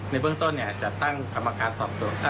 ในเบื้องต้นจะตั้งกราบการสืบข้อที่จริง